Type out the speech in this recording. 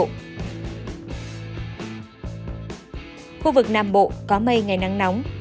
khu vực nam bộ có mây ngày nắng nóng